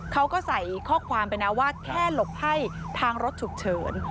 เขาก็ใส่ข้อความไปนะว่าแค่หลบให้ทางรถฉุกเฉิน